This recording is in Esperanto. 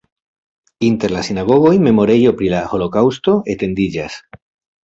Inter la sinagogoj memorejo pri la holokaŭsto etendiĝas.